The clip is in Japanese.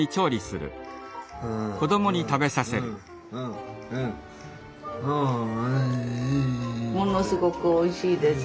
「ものすごくおいしいです」？